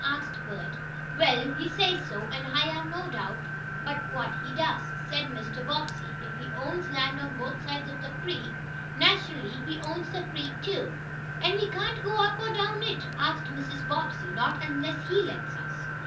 asked Bert. "Well, he says so, and I have no doubt but what he does," said Mr. Bobbsey. "If he owns land on both sides of the creek, naturally he owns the creek, too." "And we can't go up or down it?" asked Mrs. Bobbsey. "Not unless he lets us."